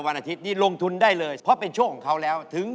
เพราะว่ารายการหาคู่ของเราเป็นรายการแรกนะครับ